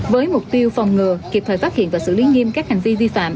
với mục tiêu phòng ngừa kịp thời phát hiện và xử lý nghiêm các hành vi vi phạm